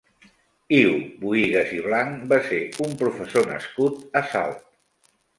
Iu Bohigas i Blanch va ser un professor nascut a Salt.